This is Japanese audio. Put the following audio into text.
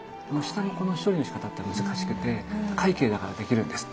下のこの処理のしかたって難しくて快慶だからできるんです。